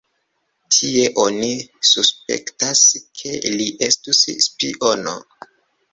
Tie oni suspektas, ke li estus spiono.